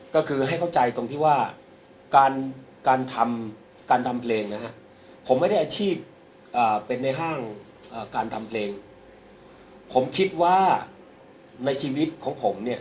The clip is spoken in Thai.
ก็คือให้เข้าใจตรงที่ว่าการการทำการทำเพลงนะฮะผมไม่ได้อาชีพเป็นในห้างการทำเพลงผมคิดว่าในชีวิตของผมเนี่ย